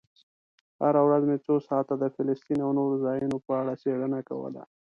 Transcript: هره ورځ مې څو ساعته د فلسطین او نورو ځایونو په اړه څېړنه کوله.